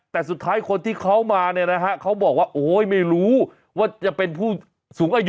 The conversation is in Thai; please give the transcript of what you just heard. แต่สุดท้ายคนที่เขามาเนี่ยนะฮะเขาบอกว่าโอ้ยไม่รู้ว่าจะเป็นผู้สูงอายุ